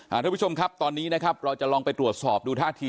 ทุกผู้ชมครับตอนนี้นะครับเราจะลองไปตรวจสอบดูท่าที